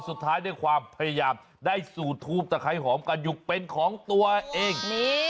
ด้วยความพยายามได้สูตรทูปตะไคร้หอมกันอยู่เป็นของตัวเอง